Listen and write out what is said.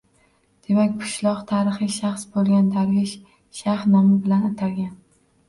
Demak, qishloq tarixiy shaxs bo‘lgan Darvesh shayx nomi bilan atalgan.